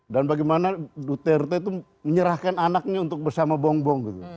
dan bagaimana duterte itu menyerahkan anaknya untuk bersama bongbong gitu